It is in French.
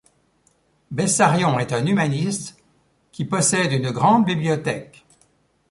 Bessarion est un humaniste, qui possède une grande bibliothèque.